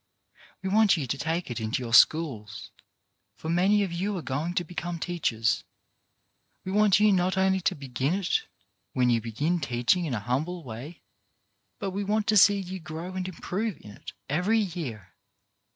We want you to take it into your schools ; for many of you are going to become teachers. We want you not only to begin it when you begin teaching in an humble way, but we want to see you grow and improve in it every year.